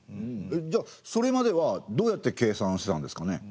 じゃあそれまではどうやって計算してたんですかね？